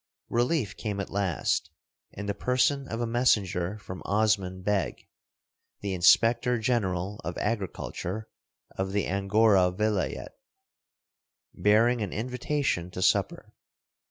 Relief came at last, in the person of a messenger from Osman Beg, the inspector general of agriculture of the Angora vilayet, bearing an invitation to supper.